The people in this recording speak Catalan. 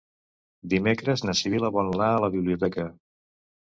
Dimecres na Sibil·la vol anar a la biblioteca.